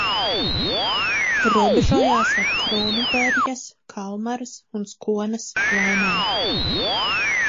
Robežojās ar Krūnuberjas, Kalmaras un Skones lēnēm.